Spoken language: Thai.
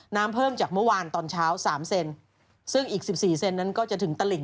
น้ำเพิ่มจากเมื่อวานตอนเช้าสามเซนซึ่งอีกสิบสี่เซนนั้นก็จะถึงตลิ่ง